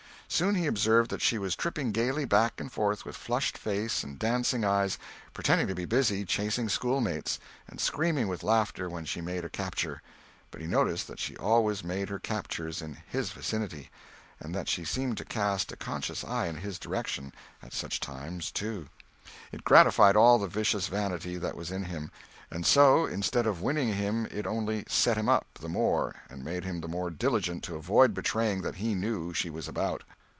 Soon he observed that she was tripping gayly back and forth with flushed face and dancing eyes, pretending to be busy chasing schoolmates, and screaming with laughter when she made a capture; but he noticed that she always made her captures in his vicinity, and that she seemed to cast a conscious eye in his direction at such times, too. It gratified all the vicious vanity that was in him; and so, instead of winning him, it only "set him up" the more and made him the more diligent to avoid betraying that he knew she was about.